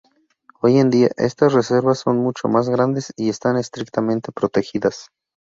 Hoy en día, estas reservas son mucho más grandes y están estrictamente protegidas.